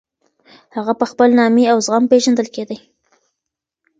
هغه په خپل نامې او زغم پېژندل کېدی.